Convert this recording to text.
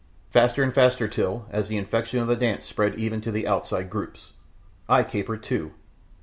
Faster and faster till, as the infection of the dance spread even to the outside groups, I capered too.